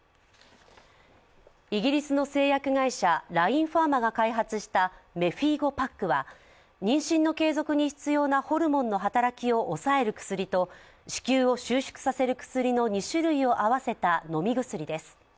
イギリスの製薬会社ラインファーマが開発したメフィーゴパックは、妊娠の継続に必要なホルモンの働きを抑える薬と、子宮を収縮させる薬の２種類を合わせた飲み薬です。